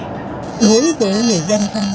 đối với người dân thân